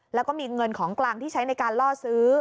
แล้วก็มีเงินของกลางที่ใช้ในการล่อซื้อ